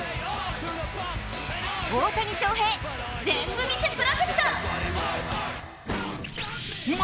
大谷翔平、ぜんぶ見せプロジェクト。